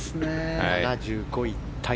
７５位タイ。